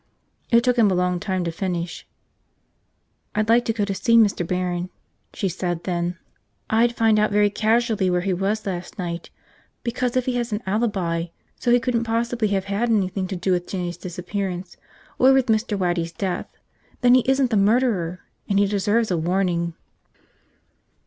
It took him a long time to finish. "I'd like to go to see Mr. Barron," she said then. "I'd find out very casually where he was last night, because if he has an alibi so he couldn't possibly have had anything to do with Jinny's disappearance, or with Mr. Waddy's death, then he isn't the murderer. And he deserves a warning."